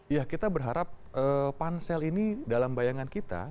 ya kita berharap pansel ini dalam bayangan kita